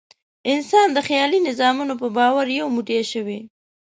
انسان د خیالي نظامونو په باور یو موټی شوی.